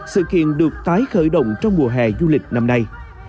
sự kiện được tái khởi động trong mùa hè du lịch năm nay